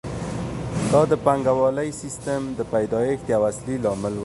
دا د پانګوالي سیسټم د پیدایښت یو اصلي لامل وو